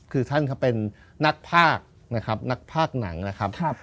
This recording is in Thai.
คือท่านเขาเป็นนักภาคนะครับนักภาคหนังนะครับ